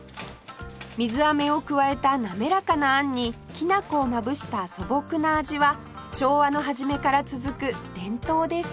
水あめを加えたなめらかなあんにきな粉をまぶした素朴な味は昭和の初めから続く伝統です